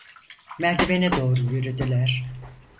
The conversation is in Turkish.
Merdivene doğru yürüdüler.